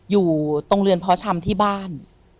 อยู่ตรงเรือนพชที่บ้าน